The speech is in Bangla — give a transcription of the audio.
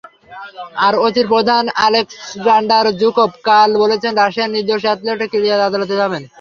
আরওসির প্রধান আলেক্সান্ডার ঝুকভ কাল বলেছেন, রাশিয়ার নির্দোষ অ্যাথলেটরা ক্রীড়া আদালতে যাবেন।